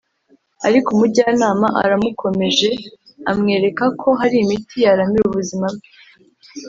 ariko umujyanama aramukomeje amwerekako hari imiti yaramira ubuzima bwe